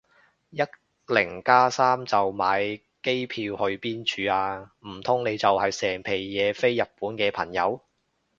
一零加三就買機票去邊處啊？唔通你就係成皮嘢飛日本嘅朋友